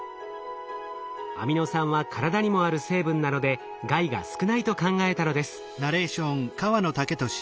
アミノ酸は体にもある成分なので害が少ないと考えたのです。